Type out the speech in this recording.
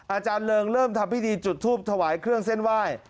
อาจารย์เริงเริ่มทำพิธีจุดทูปถวายเครื่องเส้นไหว้